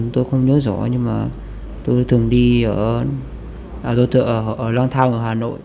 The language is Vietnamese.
tôi thường đi ở loan thao hà nội